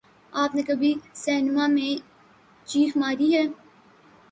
آپ نے کبھی سنیما میں چیخ ماری ہے